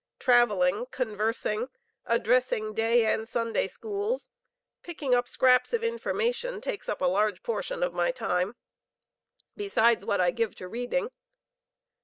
Traveling, conversing, addressing day and Sunday schools (picking up scraps of information, takes up a large portion of my time), besides what I give to reading.